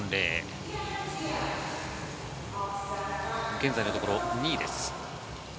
現在のところ２位です。